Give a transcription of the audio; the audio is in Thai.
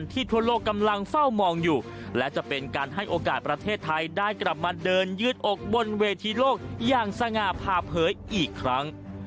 ที่จะให้โอกาสประเทศไทยได้กลับมาเดินยืดอกบนเวทีโลกอย่างสง่าพาเผยอีกครั้ง